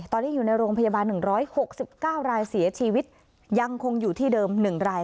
ตอนนี้อยู่ในโรงพยาบาล๑๖๙รายเสียชีวิตยังคงอยู่ที่เดิม๑ราย